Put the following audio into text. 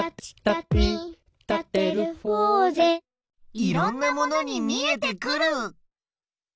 いろんなものにみえてくる！